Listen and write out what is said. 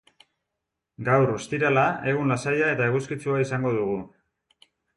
Gaur, ostirala, egun lasaia eta eguzkitsua izango dugu.